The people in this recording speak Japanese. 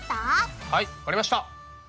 はいわかりました！